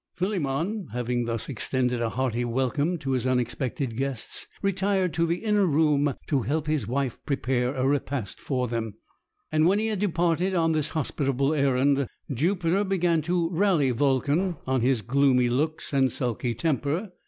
Philemon, having thus extended a hearty welcome to his unexpected guests, retired to the inner room to help his wife prepare a repast for them; and when he had departed on this hospitable errand, Jupiter began to rally Vulcan on his gloomy looks and sulky temper.